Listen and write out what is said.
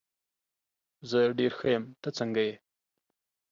زه ډېر ښه یم، ته څنګه یې؟